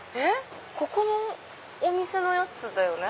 ここのお店のやつだよね。